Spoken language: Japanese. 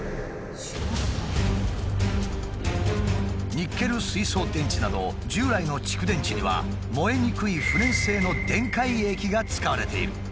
ニッケル水素電池など従来の蓄電池には燃えにくい不燃性の電解液が使われている。